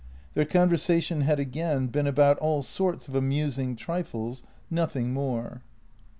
Their conversation had again been about all sorts of amusing trifles, nothing more.